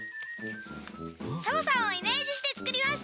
サボさんをイメージしてつくりました。